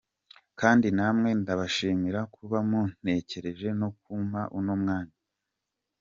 Kandi namwe ndabashimira kuba muntekereje no kumpa uno mwanya.